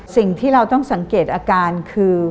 สิ่งที่เราต้องสังเกตอาการคือ